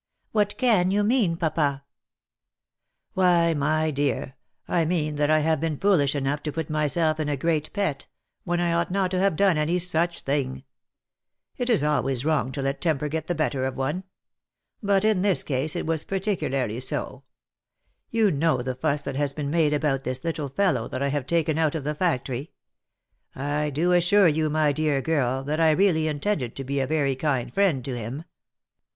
" What can you mean, papa V 11 Why, my dear, I mean that I have been foolish enough to put my self in a great pet, when I ought not to have done any such thing. It is always wrong to let temper get the better of one ; but in this case it 142 THE LIFE AND ADVENTURES was particularly so. You know the fuss that has been made about this little fellow that I have taken out of the factory — I do assure you, my dear girl, that I really intended to be a very kind friend to him.